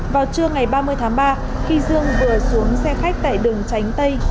vào trưa ngày ba mươi tháng ba khi dương vừa xuống xe khách tại đường tránh tây